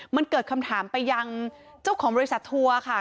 มันเกิดคำถามไปยังเจ้าของบริษัททัวร์ค่ะ